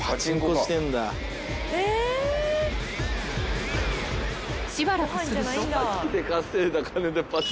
［しばらくすると］